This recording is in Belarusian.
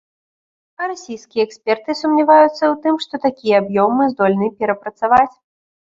А расійскія эксперты сумняваюцца ў тым, што такі аб'ём мы здольныя перапрацаваць.